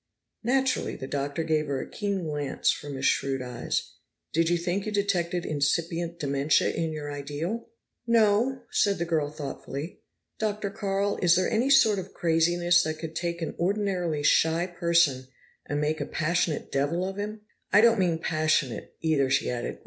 "Naturally." The Doctor gave her a keen glance from his shrewd eyes. "Did you think you detected incipient dementia in your ideal?" "No," said the girl thoughtfully. "Dr. Carl, is there any sort of craziness that could take an ordinarily shy person and make a passionate devil of him? I don't mean passionate, either," she added.